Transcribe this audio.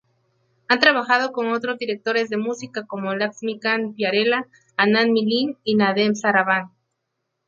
Ha trabajado con otros directores de música como Laxmikant-Pyarelal, Anand-Milind y Nadeem-Shravan.